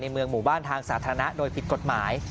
เมืองหมู่บ้านทางสาธารณะโดยผิดกฎหมาย